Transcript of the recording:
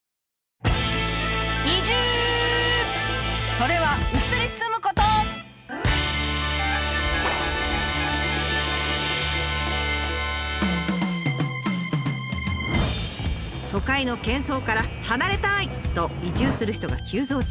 それは都会の喧騒から離れたい！と移住する人が急増中。